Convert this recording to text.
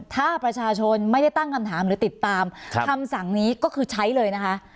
ถ้าประชาชนไม่ได้ตั้งคำถามหรือติดตามคำสั่งนี้ก็คือใช้เลยนะคะ